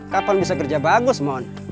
kapan bisa kerja bagus mohon